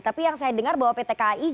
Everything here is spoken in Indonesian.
tapi yang saya dengar bahwa pt kai